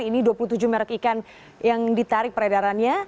ini dua puluh tujuh merek ikan yang ditarik peredarannya